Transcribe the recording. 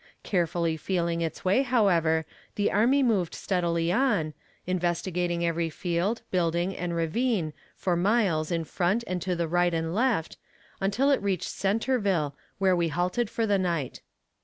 Carefully feeling its way, however, the army moved steadily on, investigating every field, building, and ravine, for miles in front and to the right and left, until it reached Centerville, where we halted for the night.